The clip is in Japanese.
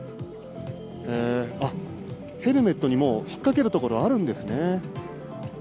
あっ、ヘルメットにもう引っ掛けるところ、あるんですね。